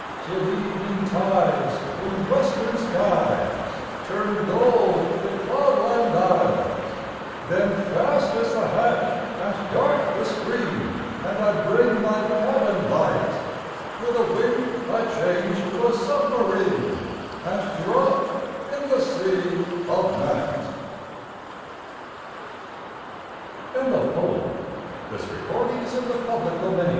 Till evening tides in western skies Turn gold the cloudland isles; Then fast is the hatch and dark the screen. And I bring my cabin light; With a wink I change to a submarine And drop in the sea of Night, WAR IN THE NORTH Not from Mars and not from Thor